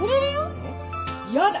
やだ！